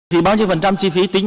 thì bao nhiêu phần trăm chi phí tính